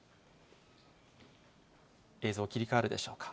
映像切り替わるでしょうか。